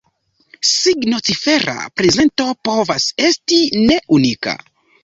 Signo-cifera prezento povas esti ne unika.